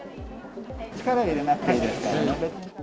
力入れなくていいですからね。